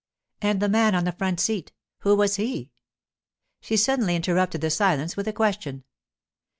And the man on the front seat, who was he? She suddenly interrupted the silence with a question.